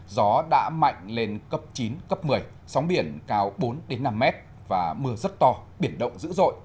gió đã mạnh lên cấp chín cấp một mươi sóng biển cao bốn năm mét và mưa rất to biển động dữ dội